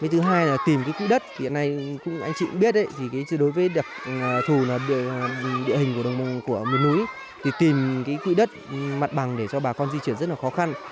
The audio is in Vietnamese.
thứ hai là tìm quỹ đất hiện nay anh chị cũng biết đối với đặc thù địa hình của nguyên núi tìm quỹ đất mặt bằng để cho bà con di rời rất là khó khăn